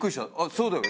そうだよね。